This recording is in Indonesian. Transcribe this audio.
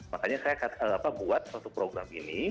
makanya saya buat suatu program ini